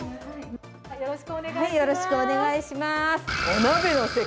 よろしくお願いします。